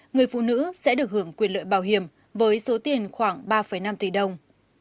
người phụ nữ sẽ được hưởng quyền lợi bảo hiểm với số tiền khoảng ba năm tỷ đồng